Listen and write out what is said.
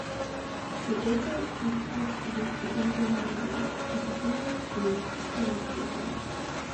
He also extensively studied the inguinal ligament, which is sometimes called Colles' ligament.